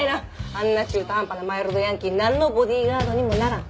あんな中途半端なマイルドヤンキーなんのボディーガードにもならん。